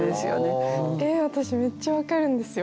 ええ私めっちゃ分かるんですよ。